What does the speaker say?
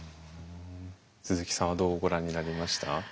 鈴木さんはどうご覧になりました？